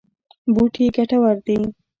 بوټي ګټور دي.